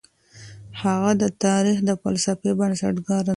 هغه د تاريخ د فلسفې بنسټګر دی.